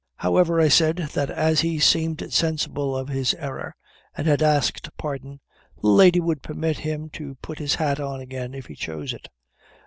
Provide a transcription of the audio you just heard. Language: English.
However, I said, that as he seemed sensible of his error, and had asked pardon, the lady would permit him to put his hat on again if he chose it.